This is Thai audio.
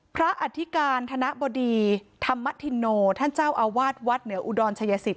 อธิการธนบดีธรรมธินโนท่านเจ้าอาวาสวัดเหนืออุดรชายสิทธิ